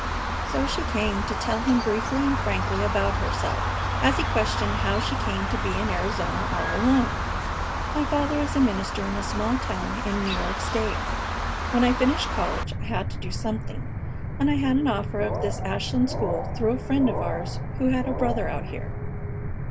So she came to tell him briefly and frankly about herself, as he questioned how she came to be in Arizona all alone. "My father is a minister in a small town in New York State. When I finished college I had to do something, and I had an offer of this Ashland school through a friend of ours who had a brother out here.